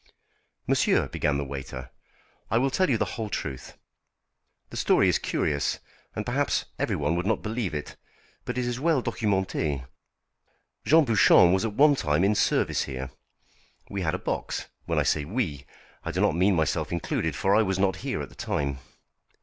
"Monsieur," began the waiter, "I will tell you the whole truth. The story is curious, and perhaps everyone would not believe it, but it is well documentée. Jean Bouchon was at one time in service here. We had a box. When I say we, I do not mean myself included, for I was not here at the time."